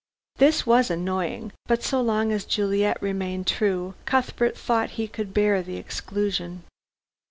This was annoying, but so long as Juliet remained true, Cuthbert thought he could bear the exclusion.